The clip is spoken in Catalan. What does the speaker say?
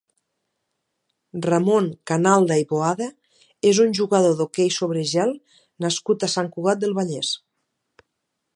Ramon Canalda i Boada és un jugador d'hoquei sobre gel nascut a Sant Cugat del Vallès.